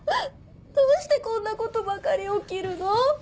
どうしてこんな事ばかり起きるの？